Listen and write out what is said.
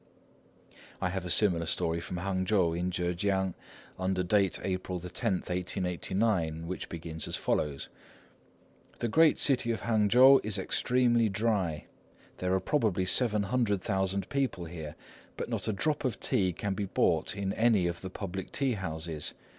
I have a similar story from Hangchow, in Chehkiang, under date April 10, 1889, which begins as follows:— "The great city of Hangchow is extremely dry. There are probably seven hundred thousand people here, but not a drop of tea can be bought in any of the public tea houses.